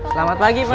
selamat pagi pak